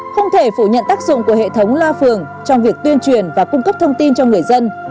không thể phủ nhận tác dụng của hệ thống loa phường trong việc tuyên truyền và cung cấp thông tin cho người dân